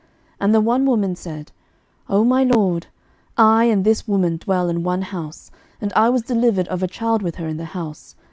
11:003:017 And the one woman said, O my lord, I and this woman dwell in one house; and I was delivered of a child with her in the house.